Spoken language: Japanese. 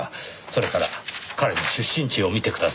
それから彼の出身地を見てください。